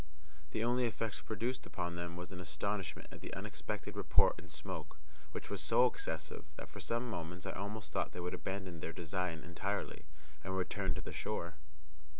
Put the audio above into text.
The only effect produced upon them was astonishment at the unexpected report and smoke, which was so excessive that for some moments I almost thought they would abandon their design entirely, and return to the shore.